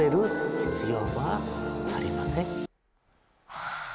はあ。